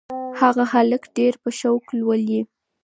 هغه هلک ډېر په شوق لولي.